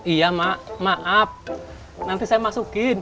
iya mak maaf nanti saya masukin